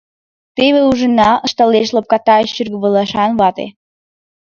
— Теве ужына, — ышталеш лопката шӱргывылышан вате.